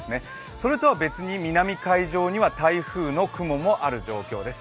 それとは別に南海上には台風の雲もある状況です。